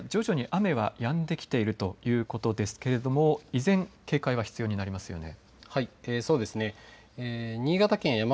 こうしたエリア、徐々に雨はやんできているということですけれども依然、警戒が必要になりますよね。